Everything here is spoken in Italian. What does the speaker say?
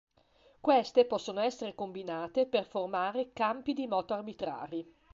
Queste possono essere combinate per formare campi di moto arbitrari.